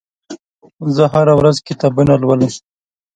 زه هره ورځ کتابونه لولم.